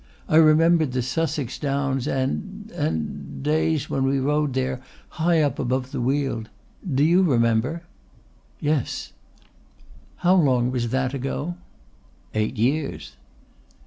I remembered the Sussex Downs and and days when we rode there high up above the weald. Do you remember?" "Yes." "How long was that ago?" "Eight years."